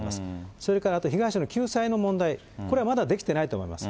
それから被害者の救済の問題、これはまだできてないと思います。